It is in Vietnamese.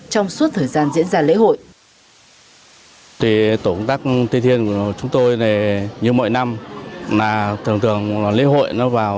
trong suốt thời gian diễn ra lễ hội